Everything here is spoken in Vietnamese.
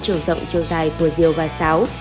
trường rộng chiều dài của diều và xáo